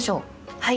はい。